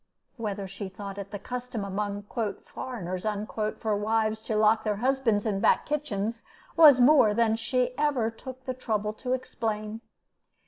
Whether she thought it the custom among "foreigners" for wives to lock their husbands in back kitchens was more than she ever took the trouble to explain.